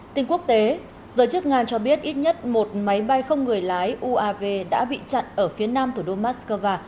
tình quốc tế giới chức nga cho biết ít nhất một máy bay không người lái uav đã bị chặn ở phía nam thủ đô mắc cơ va